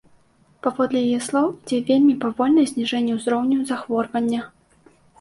Паводле яе слоў, ідзе вельмі павольнае зніжэнне ўзроўню захворвання.